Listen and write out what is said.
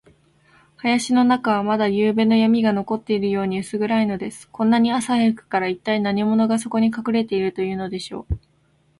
林の中は、まだゆうべのやみが残っているように、うす暗いのです。こんなに朝早くから、いったい何者が、そこにかくれているというのでしょう。